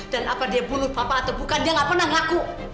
dan apa dia bunuh papa atau bukan dia gak pernah ngaku